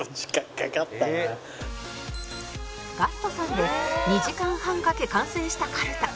ガストさんで２時間半かけ完成したかるた